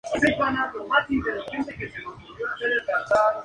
Una máxima del derecho romano prescribe: "el que afirma, prueba".